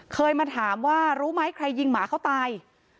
เคยมาถามว่ารู้ไหมใครยิงหมาเขาตาย